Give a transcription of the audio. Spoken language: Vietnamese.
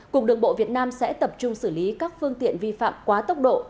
cục đường bộ việt nam sẽ tập trung xử lý các phương tiện vi phạm quá tốc độ